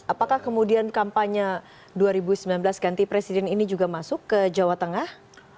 apakah kemudian kampanye dua ribu sembilan belas ganti presiden ini juga masuk ke jawa tengah